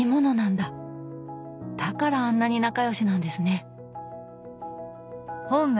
だからあんなに仲良しなんですね。